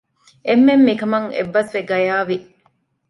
އެންމެން މިކަމަށް އެއްބަސް ވެ ގަޔާވި